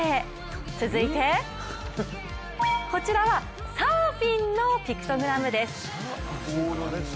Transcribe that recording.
続いて、こちらはサーフィンのピクトグラムです。